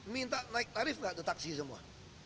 minta naik tarif nggak ada taksi semua